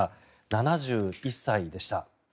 ７１歳でした。